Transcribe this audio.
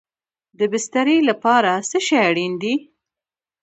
د بسترې لپاره څه شی اړین دی؟